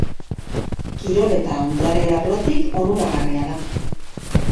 Kirol eta ondare arlotik onuragarria da.